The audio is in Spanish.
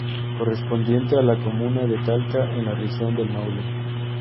Correspondiente a la comuna de Talca en la Región del Maule.